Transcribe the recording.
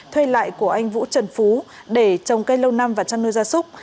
thuê lại của anh vũ trần phú để trồng cây lâu năm và trăn nuôi ra súc